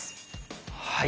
はい。